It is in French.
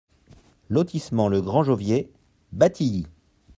Lotissement Le Grand Jovier, Batilly